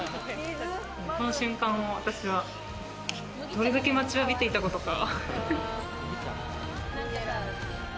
この瞬間を、私はどれだけ待ちわびていたことか。